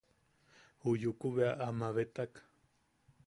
Ju Yuku bea a mabetak.